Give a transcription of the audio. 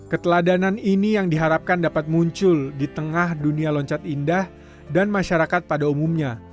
keteladanan ini yang diharapkan dapat muncul di tengah dunia loncat indah dan masyarakat pada umumnya